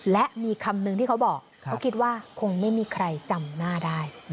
และมีคำนึงที่เขาบอกเขาคิดว่าคงไม่มีใครจำหน้าได้